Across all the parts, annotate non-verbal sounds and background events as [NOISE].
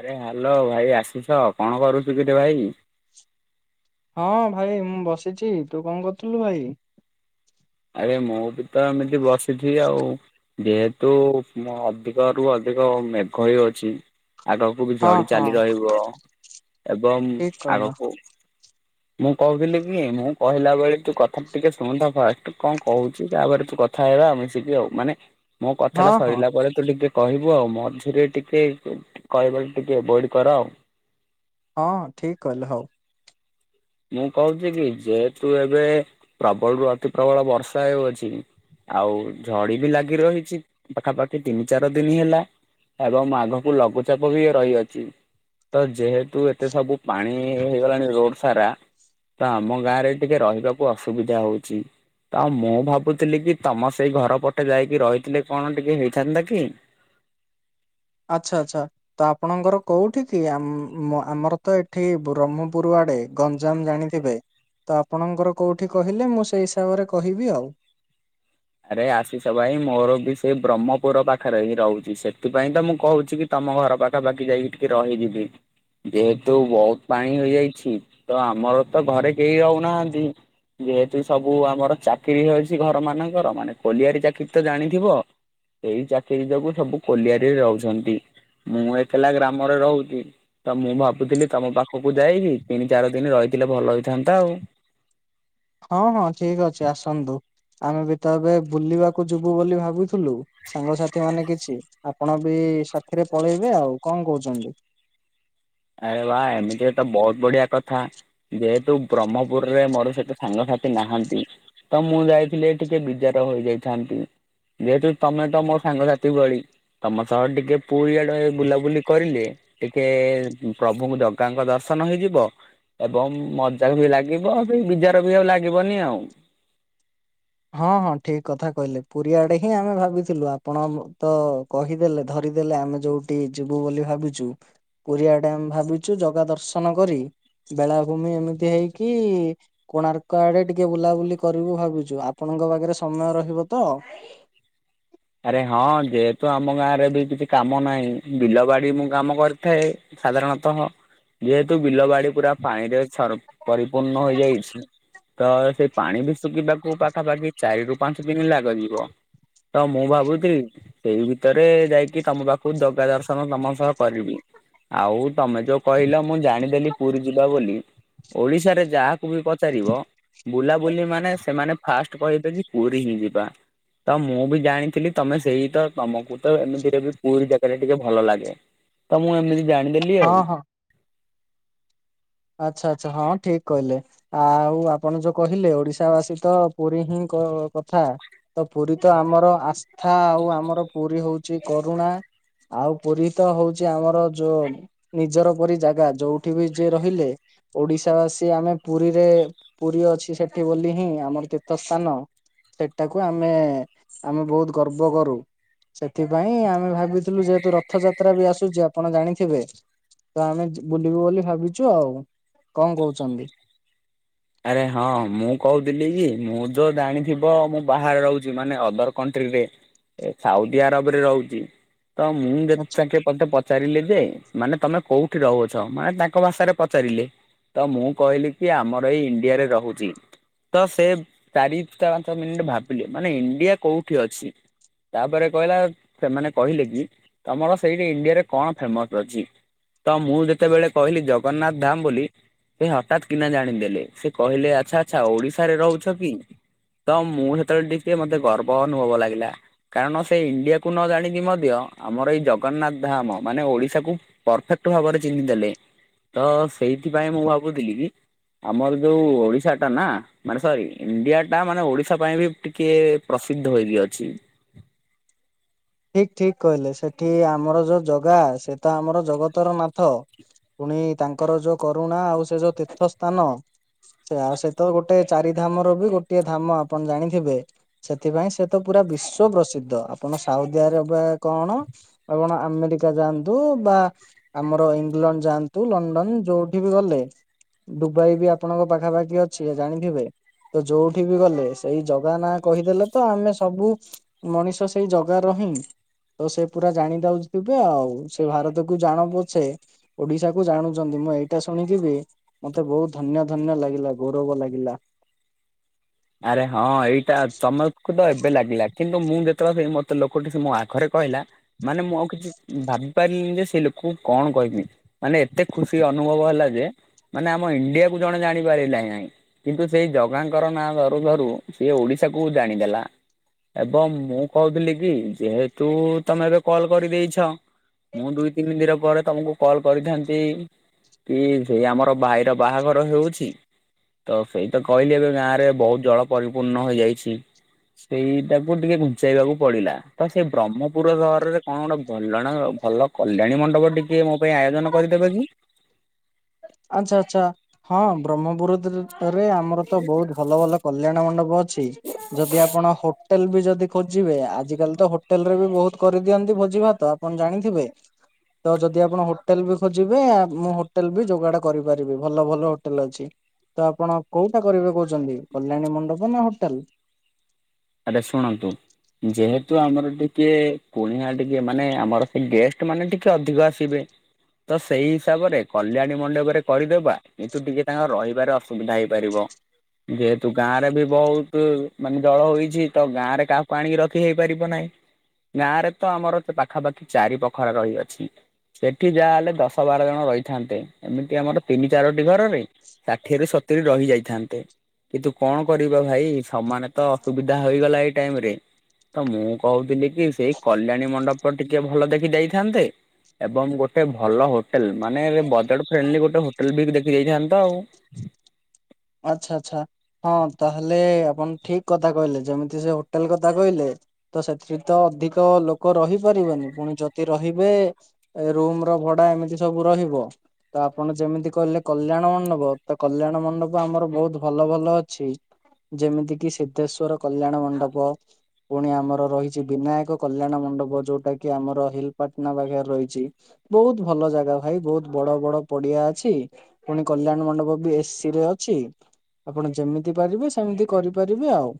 ଆରେ ହ୍ୟାଲୋ ଭାଇ ଆସିଛ କଣ କରୁଛୁ କିଟେ ଭାଇ? ହଁ ଭାଇ ମୁଁ ବସିଛି ତୁ କଣ କରୁଥୁଲୁ ଭାଇ? ଆରେ ମୁଁ ବି ତ ଏମିତି ବସିଛି ଆଉ। ଯେହେତୁ ମ ଅଧିକରୁୁ ଅଧିକ ମେଘ ହେଇଯାଉଛି ଆଗ [UNINTELLIGIBLE] ହଁ ଝଡି ହଁ ଚାଲି ରହିବ ଏବଂ ଠିକ କହିଲ ଆଗକୁ ମୁଁ କହୁଥିଲି କି ମୁଁ କହିଲା ବେଳେ ତୁ କଥାଟା ଟିକେ ଶୁଣୁଥା ଫାଷ୍ଟ। ତୁ କଁ କହୁଛି ତାପରେ ତୁ କଥା ହେବା ମିଶିକି ଆଉ ମାନେ ମୋ ହଁ କଥାଟା ହଁ ସଇଲା ପରେ ତୁ ଟିକେ କହିବୁ ଆଉ ମଝିରେ ଟିକେ କ କହିବାକୁ ଟିକେ ଏଭୋଏଡ୍ କର। ହଁ ଠିକ୍ କହିଲେ ହଉ। ମୁଁ କହୁଚି କି ଯେହେତୁ ଏବେ ପ୍ରବଳରୁୁ ଅତି ପ୍ରବଳ ବର୍ଷା ହେଉଅଛି ଆଉ ଝଡି ବି ଲାଗି ରହିଛି ପାଖାପାଖି ତିନି ଚାର ଦିନି ହେଲା। ଏବମ୍ ଆଗକୁ ଲଘୁଚାପ ବି ରହିଅଚି। ତ ଯେହେତୁ ଏତେ ସବୁ ପାଣି ହେଇଗଲାଣି ରୋଡ ସାରା ତ ଆମ ଗାଁରେ ଟିକେ ରହିବାକୁ ଅସୁବିଧା ହଉଚି। ତ ମୁଁ ଭାବୁଥିଲି କି ତମ ସେଇ ଘର ପଟେ ଯାଇକି ରହିଥିଲେ କଣ ଟିକେ ହେଇଥାନ୍ତା କି ଆଚ୍ଛା ଆଚ୍ଛା। ତ ଆପଣଙ୍କ ଘର କୋଉଠି କି ଆମ୍ ମ ଆମର ତ ଏଠି ବ୍ରହ୍ମପୁର ଆଡେ ଗଞ୍ଜାମ ଜାଣି ଥିବେ ତ ଆପଣଙ୍କ ଘର କୋଉଠି କହିଲେ ମୁଁ ସେଇ ହିସାବରେ କହିବି ଆଉ। ଆରେ ଆଶିଷ ଭାଇ ମୋର ବି ସେଇ ବ୍ରହ୍ମପୁର ପାଖେରେ ହିଁ ରହୁଚି ସେଥିପାଇଁ ତ ମୁଁ କହୁଛି କି ତମ ଘର ପାଖାପାଖି ଯାଇକି ଟିକେ ରହିଯିବି। ଯେହେତୁ ବହୁତ ପାଣି ହୋଇଯାଇଛି ତ ଆମର ତ ଘରେ କେଇ ରହୁନାହାନ୍ତି। ଯେହେତୁ ସବୁ ଆମର ଚାକିରି ହେଇଯାଉଛି ଘର ମାନଙ୍କର ମାନେ କୋଲିଆରି ଚାକିରି ତ ଜାଣିଥିବ। ଏଇ ଚାକିରି ଯୋଗୁ ସବୁ କୋଲିଆରୀରେ ରହୁଛନ୍ତି ମୁଁ ଏକେଲା ଗ୍ରାମରେ ରହୁଚି। ତ ମୁଁ ଭାବୁଥିଲି ତମ ପାଖୁକୁ ଯାଇକି ତିନି ଚାର ଦିନି ରହିଥିଲେ ଭଲ ହୋଇଥାନ୍ତା ଆଉ। ହଁ ହଁ ଠିକ୍ ଅଛି ଆସନ୍ତୁ ଆମେ ବି ତ ଏବେ ବୁଲିବାକୁ ଯିବୁ ବୋଲି ଭାବୁଥୁଲୁ। ସାଙ୍ଗସାଥିମାନେ କିଛି ଆପଣ ବି ସାଥିରେ ପଳେଇବେ ଆଉ କଣ କହୁଛନ୍ତି? ଆରେ ବା ଏମିତିରେ ତ ବହୁତ ବଢିଆ କଥା। ଯେହେତୁ ବ୍ରହ୍ମପୁରରେ ମୋର ସେତେ ସାଙ୍ଗସାଥି ନାହାନ୍ତି ତ ମୁଁ ଯାଇଥିଲେ ଟିକେ ବିଜାର ହୋଇଯାଇଥାନ୍ତି। ଯେହେତୁ ତମେ ତ ମୋ ସାଙ୍ଗସାଥି ଭଳି ତମ ସହ ଟିକେ ପୁରୀ ଆଡେ ବୁଲାବୁଲି କରିଲେ ଟିକେ ଉଁ ପ୍ରଭୁଙ୍କୁ ଜଗାଙ୍କ ଦର୍ଶନ ହେଇଯିବ। ଏବମ୍ ମଜା ବି ଲାଗିବ ଆଉ ଯୋଉ ବିଜାର ବି ଆଉ ଲାଗିବନି ଆଉ। ହଁ ହଁ ଠିକ୍ କଥା କହିଲେ ପୁରୀ ଆଡେ ହିଁ ଆମେ ଭାବିଥିଲୁ ଆପଣ ମୁଁ ତ କହିଦେଲେ ଧରିଦେଲେ ଆମେ ଯୋଉଠିକି ଯିବୁ ବୋଲି ଭାବିଚୁ। ପୁରୀ ଆଡେ ଆମେ ଭାବିଛୁ ଜଗା ଦର୍ଶନ କରି ବେଳାଭୂମି ଏମିତି ହେଇକି କୋଣାର୍କ ଆଡେ ଟିକେ ବୁଲାବୁଲି କରିବୁ ଭାବିଚୁ ଆ ପଣଙ୍କ ପାଖେରେ ସମୟ ରହିବ ତ। ଆରେ ହଁ ଯେହେତୁ ଆମ ଗାଁରେ ବି କିଛି କାମ ନାହିଁ ବିଲ ବାଡି ମୁଁ କାମ କରିଥାଏ। ସାଧାରଣତଃ ଯେହେତୁ ବିଲ ବାଡି ପୁରା ପାଣିରେ ଛା [UNINTELLIGIBLE] ପରିପୂର୍ଣ୍ଣ ହୋଇଯାଇଛି ତ ସେଇ ପାଣି ବି ଶୁଖିବାକୁ ପାଖାପାଖି ଚାରିରୁ ପାଞ୍ଚ ଦିନ ଲାଗଯିବ। ତ ମୁଁ ଭାବୁଥି ସେଇ ଭିତରେ ଯାଇକି ତମ ପାଖୁ ଦଗା ଦର୍ଶନ ତମ ସହ କରିବି। ଆଉ ତମେ ଯୋଉ କହିଲ ମୁଁ ଜାଣିଦେଲି ପୁରୀ ଜିଲ୍ଲା ବୋଲି ଓଡିଶାରେ ଯାହା କୁ ବି ପଚାରିବ ବୁଲାବୁଲି ମାନେ ସେମାନେ ଫାଷ୍ଟ କହିବେ କି ପୁରୀ ହିଁ ଯିବା ତ ମୁଁ ବି ଜାଣିଥିଲି ତମେ ସେଇ ତ ତମକୁ ତ ଏମିତିରେ ବି ପୁରୀ ଜାଗାରେ ଟିକେ ଭଲ ଲାଗେ। ତ ମୁଁ ଏମିତି ଜାଣିଦେଲି ହଁ ଆଉ। ହଁ ଆଚ୍ଛା ଆଚ୍ଛା ହଁ ଠିକ୍ କହିଲେ। ଆଉ ଆପଣ ଯୋଉ କହିଲେ ଓଡିଶା ବାସୀ ତ ପୁରୀ ହିଁ କଥା। ତ ପୁରୀ ତ ଆମର ଆସ୍ଥା ଆଉ ଆମର ପୁରୀ ହେଉଛି କରୁଣା। ଆଉ ପୁରୀ ତ ହଉଚି ଆମର ଯୋଉ ନିଜର ପରି ଜାଗା ଯୋଉଠି ବି ଯିଏ ର ହିଲେ ଓଡ଼ିଶା ବାସୀ ଆମେ ପୁରୀରେ ପୁରୀ ଅଛି ସେଠି ବୋଲି ହିଁ ଆମର ତୀର୍ଥ ସ୍ଥାନ। ସେଟାକୁ ଆମେ ଆମେ ବହୁତୁ ଗର୍ବ କରୁ। ସେଥିପାଇଁ ଆମେ ଭାବିଥିଲୁ ଯେହେତୁ ରଥଯାତ୍ରା ବି ଆସୁଚି ଆପଣ ଜାଣିଥିବେ। ତ ଆମେ ଜି ବୁଲିବୁ ବୋଲି ଭାବିଚୁ ଆଉ କଣ କହୁଛନ୍ତି? ଆରେ ହଁ ମୁଁ କହୁଥିଲି କି ମୁଁ ଯୋଉ ଜାଣିଥିବ ମୁଁ ବାହାରେ ରହୁଛି ମାନେ ଅଦର କଣ୍ଟ୍ରିରେ। ଏ ସାଉଦି ଆରବରେ ରହୁଛି ତ ମୁଁ ଯେତେ ଆଚ୍ଛା ଚାକେ ମତେ ପଚାରିଲେ ଯେ ମାନେ ତମେ କୋଉଠି ରହୁଆଛ ମାନେ ତାଙ୍କ ଭାଷାରେ ପଚାରିଲେ। ତ ମୁଁ କହିଲି କି ଆମର ଏଇ ଇଣ୍ଡିଆରେ ରହୁଚି। ତ ସେ ଚାରି ପାଞ୍ଚ ମିନିଟ୍ ଭାବିଲେ ମାନେ ଇଣ୍ଡିଆ କୋଉଠି ଅଛି? ତାପରେ କହିଲା ସେମାନେ କହିଲେ କି ତମର ସେଇଠି ଇଣ୍ଡିଆରେ କଣ ଫେମସ ଅଛି? ତ ମୁଁ ଯେତେବେଳେ କହିଲି ଜଗନ୍ନାଥ ଧାମ୍ ବୋଲି ସେ ହଠାତ୍ କିନା ଜାଣିଦେଲେ। ସେ କହିଲେ ଆଚ୍ଛା ଆଚ୍ଛା ଓଡ଼ିଶାରେ ରହୁଛ କି? ତ ମୁଁ ସେତେବେଳେ ଟିକେ ମତେ ଗର୍ବ ଅନୁଭବ ଲାଗିଲା। କାରଣ ସେ ଇଣ୍ଡିଆକୁ ନ ଜାଣିକି ମଧ୍ୟ ଆମର ଏଇ ଜଗନ୍ନାଥ ଧାମ୍ ମାନେ ଓଡ଼ିଶାକୁ ପରଫେକ୍ଟ ଭାବରେ ଚିହ୍ନିଦେଲେ ତ ସେଇଥିପାଇଁ ମୁଁ ଭାବୁଥିଲି କି ଆମର ଯୋଉ ଓଡ଼ିଶାଟା ନା ମାନେ ସରି ଇଣ୍ଡିଆ ଟା ମାନେ ଓଡ଼ିଶା ପାଇଁ ବି ଟିକେ ପ୍ରସିଦ୍ଧ ହୋଇକିଅଛି। ଠିକ୍ ଠିକ୍ କହିଲେ ସେଠି ଆମର ଯୋଉ ଜଗା ସେ ତ ଆମର ଜଗତର ନାଥ। ପୁଣି ତାଙ୍କର ଯୋଉ କରୁଣା ଆଉ ସେ ଯୋଉ ତୀର୍ଥ ସ୍ଥାନ। ତା ସହିତ ଗୋଟେ ଚାରିଧାମର ବି ଗୋଟିଏ ଧାମ ଆପଣ ଜାଣିଥିବେ। ସେଥିପାଇଁ ସେ ତ ପୁରା ବିଶ୍ଵ ପ୍ରସିଦ୍ଧ ଆପଣ ସାଉଦି ଆରବିଆ କଣ ଆପଣ ଆମେରିକା ଯାଆନ୍ତୁ ବା ଆମର ଇଂଲଣ୍ଡ ଯାଆନ୍ତୁ ଲଣ୍ଡନ୍ ଯୋଉଠି ବି ଗଲେ ଦୁବାଇ ବି ଆପଣଙ୍କ ପାଖାପାଖି ଅଛି ଜାଣିଥିବେ। ତ ଯୋଉଠି ବି ଗଲେ ସେଇ ଜଗା ନାଁ କହିଦେଲେ ତ ଆମେ ସବୁ ମଣିଷ ସେଇ ଜ ଗାରହିିଁ ତ ସେ ପୁରା ଜାଣି ଦଉଛଥିବେ ଆଉ ସେ ଭାରତକୁୁ ଜାଣୁ ପଛେ ଓଡ଼ିଶାକୁ ଜାଣୁଛନ୍ତି ମୁଁ ଏଇଟା ଶୁଣିକିବି ମତେ ବହୁତୁ ଧନ୍ୟ ଧନ୍ୟ ଲାଗିଲା ଗୌରବ ଲାଗିଲା। ଆରେ ହଁ ଏଇଟା ତମକୁ କୁ ତ ଏବେ ଲାଗିଲା କିନ୍ତୁ ମୁଁ ଯେତେବେଳେ କୁହେ ମତେ ଲୋକଟି ସେ ମୋ ଆଗରେ କହିଲା। ମାନେ ମୁଁ ଆଉ କିଛି ଭାବି ପାରିଲିନି ଯେ ସେ ଲୋକକୁ କଣ କହିବି। ମାନେ ଏତେ ଖୁସି ଅନୁଭବ ହେଲା ଯେ ମାନେ ଆମ ଇଣ୍ଡିଆକୁ ଜଣେ ଜାଣିପାରିଲା ନାହିଁ କିନ୍ତୁ ସେଇ ଜଗାଙ୍କର ନାଁ ଧରୁ ସିଏ ଓଡ଼ିଶାକୁ ଜାଣିଦେଲା। ଏବଂ ମୁଁ କହୁଥିଲି କି ଯେହେତୁ ତମେ ଏବେ କଲ୍ କରିଦେଇଛ ମୁଁ ଦୁଇ ତିନି ଦିନ ପରେ ତମକୁ କଲ୍ କରିଥାନ୍ତି କି ସେ ଆମର ଭାଇର ବାହାଘର ହେଉଛି। ତ ସେଇ ତ କହିଲି ଏବେ ଗାଁ ରେ ବହୁତ ଜଳ ପରିପୂର୍ଣ୍ଣ ହୋଇଯାଇଛି। ସେଇଟାକୁ ଟିକେ ଘୁଞ୍ଚେଇବାକୁ ପଡିଲା ତ ସେଇ ବ୍ରହ୍ମପୁର ସହରରେ କଣ ଗୋଟେ ଭଲ ନା ଭଲ କଲ୍ୟାଣୀ ମଣ୍ଡପ ଟିକେ ମୋ ପାଇଁ ଆୟୋଜନ କରିଦେବେ କି? ଆଚ୍ଛା ଆଚ୍ଛା ହଁ ବ୍ରହ୍ମପୁରରେ ରେ ଆମର ତ ବହୁତ ଭଲ ଭଲ କଲ୍ୟାଣ ମଣ୍ଡପ ଅଛି ଯଦି ଆପଣ ହୋ ହୋଟେଲ ବି ଯଦି ଖୋଜିବେ ଆଜିିକାଲି ତ ହୋଟେଲ ରେ ବି ବହୁତ କରିଦିଅନ୍ତି ଭୋଜି ଭାତ ଆପଣ ଜାଣିଥିବେ। ତ ଯଦି ଆପଣ ହୋଟେଲ ବି ଖୋଜିବେ ମୁଁ ହୋଟେଲ ବି ଯୋ ଗାଡ଼ କରିପାରିବି ଭଲ ଭଲ ହୋଟେଲ ଅଛି। ତ ଆପଣ କୋଉଟା କରିବେ କହୁଛନ୍ତି କଲ୍ୟାଣୀ ମଣ୍ଡପ ନା ହୋଟେଲ? ଆରେ ଶୁଣନ୍ତୁ। ଯେହେତୁ ଆମର ଟିକେ କୁଣିଆ ଟିକେ ମାନେ ଆମର ସେ ଗେଷ୍ଟ ମାନେ ଟିକେ ଅଧିକ ଆସିବେ। ତ ସେଇ ହିସାବରେ କଲ୍ୟାଣୀ ମଣ୍ଡପରେ କରିଦବା କିନ୍ତୁ ଟିକେ ତାଙ୍କ ରହିବାରେ ଅସୁବିଧା ହେଇପାରିବ। ଯେହେତୁ ଗାଁ ରେ ବି ବହୁତ ମାନେ ଜଳ ହେଇଛି କି ତ ଗାଁ ରେ କାହାକୁ ଆଣିକି ରଖି ହେଇ ପାରିବ ନାହିଁ। ଗାଁ ରେ ତ ଆମର ପାଖାପାଖି ଚାରିବଖରା ରହିଅଛି। ସେଠି ଯାହା ହେଲେ ଦଶ ବାର ଜଣ ରହିଥାନ୍ତେ ଏମିତି ଆମର ତିନି ଚାରୋଟି ଘରରେ। ଷାଠିଏ ରୁ ସତୁରି ରହିଯାଇଥାନ୍ତେ କିନ୍ତୁ କଣ କରିବ ଭାଇ ସମାନେ ତ ଅସୁବିଧା ଅଧା ହୋଇଗଲା ଏଇ ଟାଇମ ରେ। ତ ମୁଁ କହୁଥିଲି କି ସେଇ କଲ୍ୟାଣୀ ମଣ୍ଡପ ଟିକେ ଭଲ ଦେଖିଦେଇଥାନ୍ତେ? ଏବଂ ଗୋଟେ ଭଲ ହୋଟେଲ ମାନେ ବଜେଟ୍ ଫ୍ରେଣ୍ଡଲି ଗୋଟେ ହୋଟେଲ ବି ଦେଖିଦେଇଥାନ୍ତ ଆଉ ଆଚ୍ଛା ଆଚ୍ଛା ହଁ ତାହେଲେ ଆପଣ ଠିକ କଥା କହିଲେ ଯେମିତି ସେ ହୋଟେଲ କଥା କହିଲେ? ତ ସେଥିରେ ତ ଅଧିକ ଲୋକ ରହିପାରିବେନି ପୁଣି ଯଦି ରହିବେ ଏ ରୁମ ର ଭଡା ଏମିତି ସବୁ ରହିବ। ତ ଆପଣ ଯେମିତି କହିଲେ କଲ୍ୟାଣ ମଣ୍ଡପ ତ କଲ୍ୟାଣ ମଣ୍ଡପ। ଆମର ବହୁତ ଭଲ ଭଲ ଅଛି ଯେମିତି କିି ସିଦ୍ଧେଶ୍ଵର କଲ୍ୟାଣ ମଣ୍ଡପ। ପୁଣି ଆମର ରହିଛି ବିନାୟକ କଲ୍ୟାଣ ମଣ୍ଡପ ଯୋଉଟା କି ଆମର ହିଲପଟନା ପାଖରେ ରହିଛି। ବହୁତ ଭଲ ଜାଗା ଭାଇ ବହୁତ ବଡ ବଡ ପଡିଆ ଅଛି। ପୁଣି Kalyan Mandap B S C ରେ ଅଛି ଆପଣ ଯେମିତି ପାରିବେ ସେମିତି କରିପାରିବେ ଆଉ?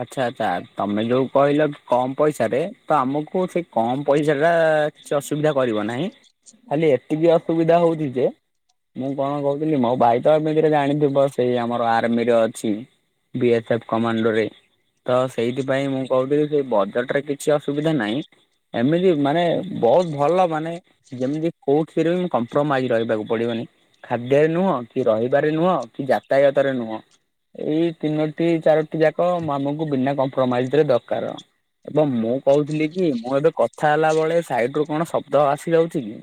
ଆଚ୍ଛା ଆଚ୍ଛା ତମେ ଯୋଉ କହିଲ କମ ପଇସାରେ ତ ଆମକୁ ସେଇ କମ ପଇସା ଟା କିଛି ଅସୁବିଧା କରିବ ନାହିଁ ଖାଲି ଏତିକି ଅସୁବିଧା ହଉଛି ଯେ ମୁଁ କଣ କହୁଥିଲି ମୋ ଭାଇ ତ ଏମିତିରେ ଜାଣିଥିବ ସେଇ ଆମର ଆର୍ମିରେ ଅଛି। ବି ଏସ୍ ଏଫ୍ କମାଣ୍ଡୋ ରେ। ତ ସେଇଥିପାଇଁ ମୁଁ କହୁଥିଲି ସେ ବଜେଟରେ କିଛି ଅସୁବିଧା ନାହିଁ। ଏମିତି ମାନେ ବହୁତ ଭଲ ମାନେ ଯେମିତି କୋଉଠିରେ ବି କମ୍ପ୍ରୋମାଇଜ ରହିବାକୁ ପଡିବନି। ଖାଦ୍ୟରେ ନୁହଁ କି ରହିବାରେ ନୁହଁ କି ଯାତାୟାତରେ ନୁହଁ। ଏଇ ତିନୋଟି ଚାରୋଟି ଯାକ ଆମୁଙ୍କୁ ବିନା କମ୍ପ୍ରମାଇଜରେ ଦରକାର। ଏବଂ ମୁଁ କହୁଥିଲି କି ମୁଁ ଏବେ କଥା ହେଲା ବଳେ ସାଇଡ ରୁ କଣ ଶବ୍ଦ ଆସି ଯାଉଛି କି?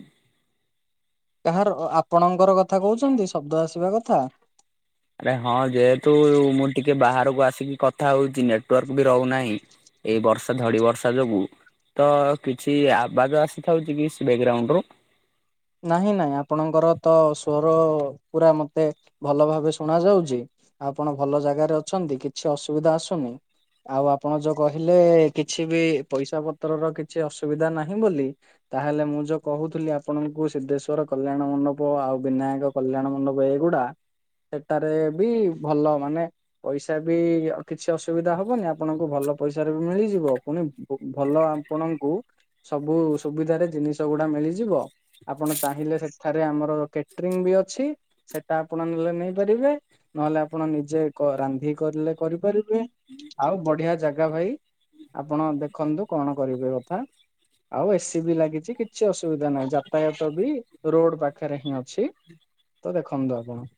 କାହାର ଆପଣଙ୍କର କଥା କହୁଛନ୍ତି ଶବ୍ଦ ଆସିବା କଥା? ଆରେ ହଁ ଯେହେତୁ ମୁଁ ଟିକେ ବାହାରକୁ ଆସିକି କଥା ହଉଛି ନେଟୱାର୍କ ବି ରହୁନାହିଁ। ଏଇ ବର୍ଷ, ଝଡ଼ି ବର୍ଷା ଯୋଗୁ ତ କିଛି, ଆବାଯ ଆସିଥାଉଛି କି, ସେ ବ୍ୟାକ୍ଗ୍ରାଉଣ୍ଡରୁୁ? ନାହିଁ, ନାଇଁ ଆପଣଙ୍କର ତ ସ୍ୱର ପୁରା ମତେ ଭଲ ଭାବେ ଶୁଣ ଯାଉଛି। ଆପଣ ଭଲ ଜାଗାରେ ଅଛନ୍ତି, କିଛି ଅସୁବିଧା ଆସୁନି? ଆଉ ଆପଣ ଯୋଉ କହିଲେ, କିଛି ବି ପଇସା ପତ୍ର ର କିଛି ଅସୁବିଧା ନାହିଁ ବୋଲି ତାହେଲେ ମୁଁ ଯୋଉ କହୁଥିଲି ଆପଣଙ୍କୁ ସିଦ୍ଧେଶ୍ଵର କଲ୍ୟାଣ ମଣ୍ଡପ, ଆଉ ବିନାୟକ କଲ୍ୟାଣ ମଣ୍ଡପ ଏଇଗୁଡା ସେଟାରେ ବି ଭଲ ମାନେ ପଇସା ବି, ଆଉ କିଛି ଅସୁବିଧା ହବନି, ଆପଣଙ୍କୁ ଭଲ ପଇସା ବି ମିଳିଯିବ, ପୁଣି ଭଲ ଆପଣଙ୍କୁ, ସବୁ ସୁବିଧାରେ ଜିନିଷ ଗୁଡା ମିଳିଯିବ। ଆପଣ ଚାହିଁଲେ ସେଠାରେ ଆମର କ୍ୟାଟରିଂ ବି ଅଛି। ସେଟା ଆପଣ ନେଲେ ନେଇପାରିବେ, ନହେଲେ ଆପଣ ନିଜେ କ ରାନ୍ଧି କରିଲେ କରିପାରିବେ ଆଉ ବଢିଆ ଜାଗା ଭାଇ, ଆପଣ ଦେଖନ୍ତୁ କଣ କରିବେ କଥା। ଆଉ ଏ ସି ବି ଲାଗିଛି କିଛି ଅସୁବିଧା ନାହିଁ ଯ ପ୍ରାୟ ତ ବି, ରୋଡ ପାଖରେ ହିଁ ଅଛି, ତ ଦେଖନ୍ତୁ ଆପଣ।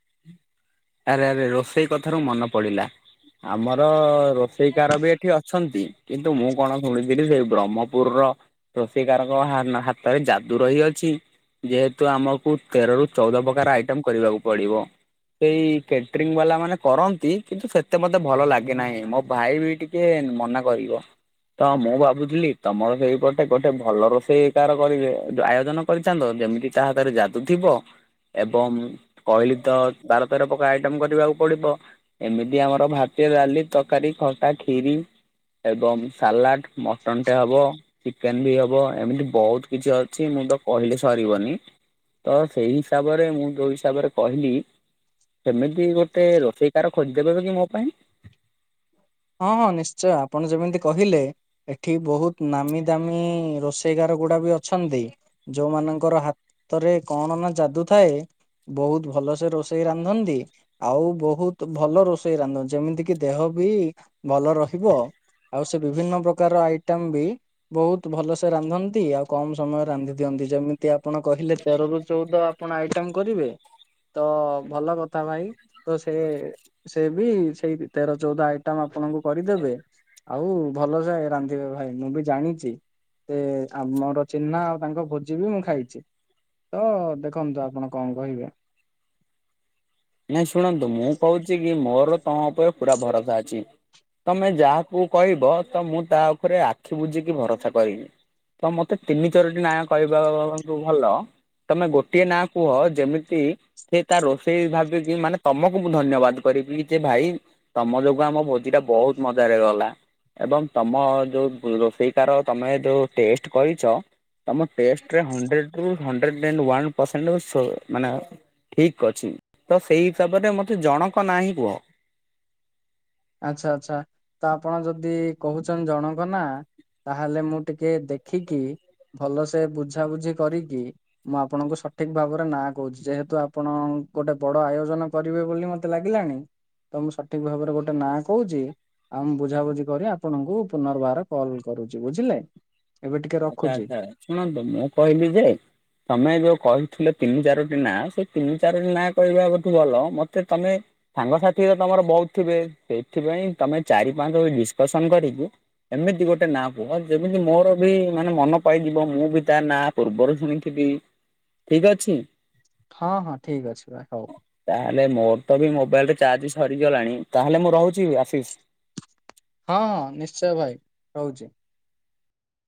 ଆରେ ଆରେ ରୋଷେଇ କଥାରୁ ମନେ ପଡ଼ିଲା, ଆମର ରୋଷେଇକାର ବି ଏଠି ଅଛନ୍ତି, କିନ୍ତୁ ମୁଁ କଣ ଶୁଣିଲି ଥିଲି ଯେ, ବ୍ରହ୍ମପୁର ରୋସେଇକାରକଙ୍କ ହାତରେ ଯାଦୁ ରହିଅଛି। ଯେହେତୁ ଆମକୁ, ତେର ରୁ ଚଉଦ ପ୍ରକାର ଆଇଟମ କରିବାକୁ ପଡିବ। ସେଇ କ୍ୟାଟରିଂ ବାଲା ମାନେ କରନ୍ତି, କିନ୍ତୁ ସେତେ ମୋତେ ଭଲ ଲାଗେ ନାହିଁ, ମୋ ଭାଇ ବି ଟିକେ ଟିକେ ମନା କରିବ। ତ ମୁଁ ଭାବୁଥିଲି, ତମର ସେଇପଟେ ଗୋଟେ ଭଲ ରୋଷେଇ କାର କରିବେ, ଆୟୋଜନ କରିଥାନ୍ତ ଯେମିତି ତା ହାତରେ ଯାଦୁ ଥିବ, ଏବଂ କହିଲି ତ ବାର ତେର ପ୍ରକା ଆଇଟମ କରିବାକୁ ପଡିବ। ଏମିତି ଆମର ଭାତ, ଡାଲି, ତରକାରୀ, ଖଟା, ଖିରି ଏବଂ ସାଲାଡ଼, ମଟନ୍ ଟେ ହେବ। ଚିକେନ ବି ହବ। ଏମିତି ବହୁତ କିଛି ଅଛି, ମୁଁ ତ କହିଲେ ସରିବନି। ତ ସେଇ ହିସାବରେ, ମୁଁ ଯୋଉ ହିସାବରେ କହିଲି ସେମିତି ଗୋଟେ ରୋଷେଇକାର, ଖୋଜିଦେବେବ କି ମୋ ପାଇଁ? ହଁ ହଁ ନିଶ୍ଚୟ, ଆପଣ ଯେମିତି କହିଲେ ଏଠି ବହୁତ ନାମୀ ଦାମୀ ରୋଷେଇଗାର ଗୁଡା ବି ଅଛନ୍ତି। ଯୋଉମାନଙ୍କର ହାତରେ, କଣ ନା ଯାଦୁ ଥାଏ ବହୁତ ଭଲସେ ରୋଷେଇ ରାନ୍ଧନ୍ତି। ଆଉ ବହୁତ ଭଲ ରୋଷେଇ ରାନ୍ଧ, ଯେମିତି କି ଦେହ ବି ଭଲ ରହିବ। ଆଉ ସେ ବିଭିନ୍ନ ପ୍ରକାର ଆଇଟମ ବି ବହୁତ ଭଲସେ ରାନ୍ଧନ୍ତି, ଆଉ କମ ସମୟରେ ରାନ୍ଧି ଦିଅନ୍ତି ଯେମିତି ଯଦି ଆପଣ କହିଲେ, ତେରରୁୁ ଚଉଦ ଆପଣ ଆଇଟମ କରିବେ ତ ଭଲ କଥା ଭାଇ, ତ ସେ ସେ ବି ସେଇ ତେର ଚଉଦ ଆଇ ଆଇଟମ ଆପଣଙ୍କୁ କରିଦେବେ, ଆଉ ଭଲସେ ରାନ୍ଧିବେ ଭାଇ, ମୁଁ ବି ଜାଣିଛି ସେ ଆମର ଚିହ୍ନା, ଆଉ ତାଙ୍କ ଭୋଜି ବି ମୁଁ ଖାଇଛି। ତ ଦେଖନ୍ତୁ ଆପଣ କଣ କହିବେ ନାଇଁ ଶୁଣନ୍ତୁ ମୁଁ କହୁଛି କି, ମୋର ତମ ଉପରେ ପୁରା ଭରସା ଅଛି। ତମେ ଯାହାକୁ କହିବ, ତ ମୁଁ ତା ଉପରେ ଆଖି ବୁଝିକି ଭରସା କରିବି। ତ ମତେ ତିନି ଚରୋଟି ନାଁ କହିବାକୁ ଭଲ। ତମେ ଗୋଟିଏ ନାଁ କୁହ ଯେମିତି ସେ ତା ରୋଷେଇ ଭାଗ ମାନେ ତମକୁ ମୁଁ ଧନ୍ୟବାଦ କରିବି ଯେ ଭାଇ ତମ ଯୋଗୁ ଆମ ଭୋଜି ଟା ବହୁତ୍ ମଜାରେ ଗଲା। ଏବଂ ତମ ଯଉ ରୋଷେଇ ଟାର ତମେ ଯଉ ଟେଷ୍ଟ୍ କରିଚ ତମ ଟେଷ୍ଟ୍ ରେ ହଂଡ୍ରେଟ୍ ରୁ ହଂ ୱାନ୍ ପର୍ସେଣ୍ଟ୍ ମାନେ ଠିକ୍ ଅଛି। ତ ସେଇ ହିସାବରେ ମତେ ଜଣକ ନାଁ ହିଁ କୁହ। ଆଚ୍ଛା ଆଚ୍ଛା ତ ଆପଣ ଯଦି କହୁଚନ୍ତି ଜଣଙ୍କ ନାଁ ତାହେଲେ ମୁଁ ଟିକେ ଦେଖିକି ଭଲ ସେ ବୁଝାବୁଝି କରିକି ମୁଁ ଆପଣଙ୍କୁ ସ ଠିକ୍ ଭାବରେ ନାଁ କହୁଚି ଯେହେତୁ ଆପଣ ଗୋଟେ ବଡ ଆୟୋଜନ କରିବେ ବୋଲି ମତେ ଲାଗିଲାଣି ତ ମୁଁ ସଠିକ୍ ଭାବରେ ଗୋଟେ ଗୋଟେ ନାଁ କହୁଚି ଆଉ ମୁଁ ବୁଝାବୁଝି କରି ଆପଣଙ୍କୁ ପୁନର୍ବାର କଲ୍ କରୁଚି ବୁଝିଲେ। ଏବେ ଟିକେ ଆଚ୍ଛା ରଖୁଛି ଆଚ୍ଛା ଶୁଣନ୍ତୁ ମୁଁ କହିଲି ଯେ ତମେ ଯଉ କହିଥିଲ ତିନି ଚାରୋଟି ନାଁ ସେ ତିନି ଚାରୋଟି ନାଁ କହିବା [UNINTELLIGIBLE] ଭଲ ମତେ ତମେ ସାଙ୍ଗସାଥି ତ ତମର ବହୁତ୍ ଥିବେ ସେଇଥିପାଇଁ ତମେ ଚାରି ପାଞ୍ଚଙ୍କ ଡିସ୍କସନ୍ କରିକି ଏମିତି ଗୋଟେ ନା କୁହ ଯେମିତି ମୋର ବି ମାନେ ମନ ପାଇଯିବ ମୁଁ ବି ତା ନାଁ ପୂର୍ବରୁ ଶୁଣିଥିବି। ଠିକ୍ ଅଛି। ହଁ- ହଁ ଠିକ୍ ଅଛି ଭାଇ ହଉ। ତାହେଲେ ମୋର ତ ବି ମୋବାଇଲରେ ଚାର୍ଜ ସରିଗଲାଣି ତାହେଲେ ମୁଁ ରହୁଚି ଆଶିଶ୍। ହଁ ନିଶ୍ଚୟ ଭାଇ ରହୁଚି।